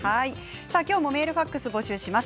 今日もメール、ファックスを募集します。